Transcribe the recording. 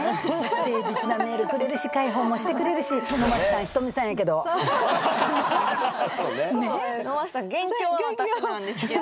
誠実なメールくれるし介抱もしてくれるし飲ませた元凶は私なんですけど。